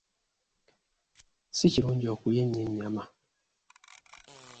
Si kirungi okulya ennyo ennyama.